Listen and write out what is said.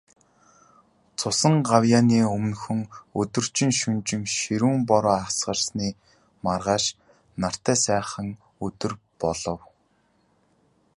Цусан гавьяаны өмнөхөн, өдөржин, шөнөжин ширүүн бороо асгарсны маргааш нартай сайхан өдөр болов.